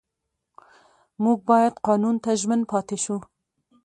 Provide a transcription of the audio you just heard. موږ باید قانون ته ژمن پاتې شو